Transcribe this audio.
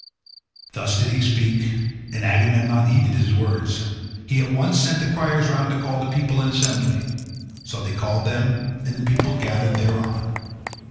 Thus did he speak, and Agamemnon heeded his words. He at once sent the criers round to call the people in assembly. So they called them, and the people gathered thereon.